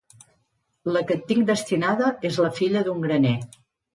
La que et tinc destinada es la filla d'un graner.